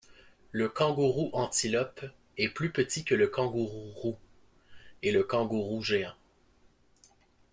Le kangourou antilope est plus petit que le kangourou roux et le kangourou géant.